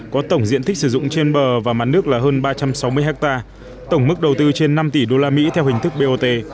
có tổng diện tích sử dụng trên bờ và mặt nước là hơn ba trăm sáu mươi hectare tổng mức đầu tư trên năm tỷ usd theo hình thức bot